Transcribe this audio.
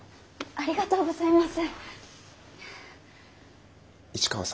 ありがとうございます。